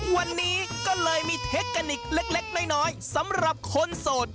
วันนี้ก็เลยมีเทคนิคเล็กน้อยสำหรับคนโสด